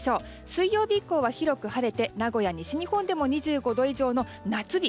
水曜日以降は広く晴れて名古屋、西日本などでも２５度以上の夏日。